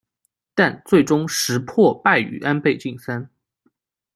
但最终石破败于安倍晋三。